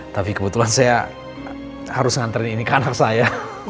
tapi kebetulan saya harus nganterin ini ke anak saya